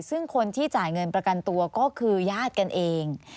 ซึ่งคนที่จ่ายเงินประกันตัวก็คือญาติกันเอง